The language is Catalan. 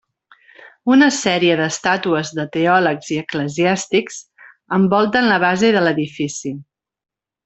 Una sèrie d'estàtues de teòlegs i eclesiàstics envolten la base de l'edifici.